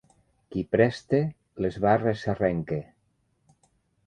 Qui presta, les barres s'arrenca.